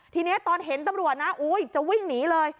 ทีนี้ตอนเห็นตำรวจนะจะวิ่งหนีเลย